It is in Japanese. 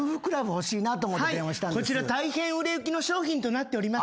こちら大変売れ行きの商品となっております。